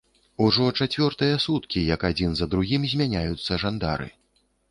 Ужо чацвёртыя суткі, як адзін за другім змяняюцца жандары.